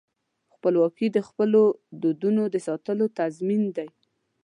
خپلواکي د خپلو دودونو د ساتلو تضمین دی.